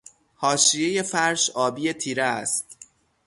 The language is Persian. حاشیهی فرش آبی تیره است.